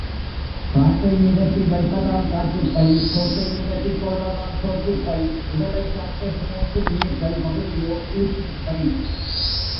காற்றை நிரப்பி வைப்பதால் காற்றுப்பை, சோற்றை நிரப்பிக்கொள்வதால் சோற்றுப் பை, உடலைக் காக்க சுரக்கும் நீர்கள் பகுதியோ ஊற்றுப்பை.